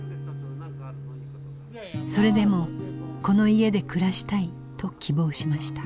それでもこの家で暮らしたいと希望しました。